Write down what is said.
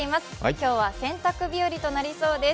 今日は洗濯日和となりそうです。